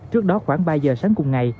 trước đó khoảng ba giờ sáng cùng ngày